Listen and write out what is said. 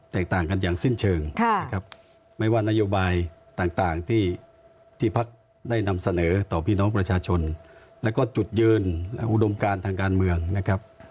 ต่างกันอย่างสิ้นเชิงนะครับไม่ว่านโยบายต่างที่พักได้นำเสนอต่อพี่น้องประชาชนแล้วก็จุดยืนและอุดมการทางการเมืองนะครับ